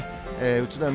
宇都宮、